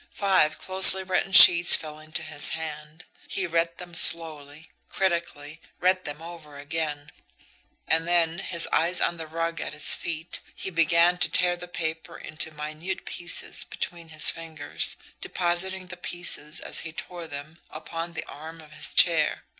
Five closely written sheets fell into his hand. He read them slowly, critically, read them over again; and then, his eyes on the rug at his feet, he began to tear the paper into minute pieces between his fingers, depositing the pieces, as he tore them, upon the arm of his chair.